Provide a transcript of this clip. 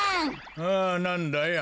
ああなんだい？